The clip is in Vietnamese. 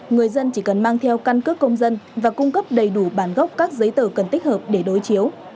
người dân chỉ cần mang theo căn cước công dân và cung cấp đầy đủ bản gốc các giấy tờ cần tích hợp để đối chiếu